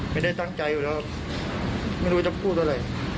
ไม่ได้ตั้งใจอยู่แล้วไม่รู้จะพูดอะไร